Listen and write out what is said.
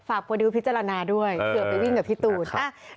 โปรดิวพิจารณาด้วยเผื่อไปวิ่งกับพี่ตูน